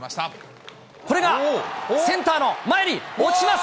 これがセンターの前に前に落ちます。